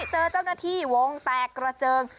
เจอเจ้าหน้าที่วงแตกกระเจิง